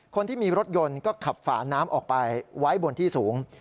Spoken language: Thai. คนที่มีรถยนต์ก็ขับฝาน้ำออกไปไว้บนที่สูง